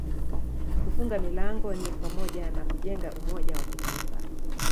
kufunga milango ni pamoja na kujenga umoja wa kitaifa